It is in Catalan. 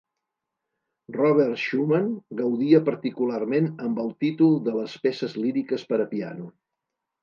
Robert Schumann gaudia particularment amb el títol de les peces líriques per a piano.